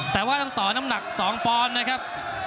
แต่ว่าต้องต่อน้ำหนัก๒ปอนด์นะครับ